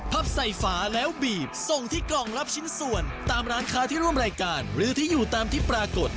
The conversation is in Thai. ใส่ฝาแล้วบีบส่งที่กล่องรับชิ้นส่วนตามร้านค้าที่ร่วมรายการหรือที่อยู่ตามที่ปรากฏ